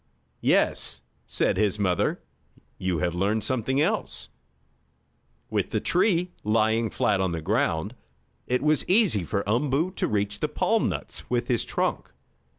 "Yes," said his mother. "You have learned something else." With the tree lying flat on the ground, it was easy for Umboo to reach the palm nuts with his trunk.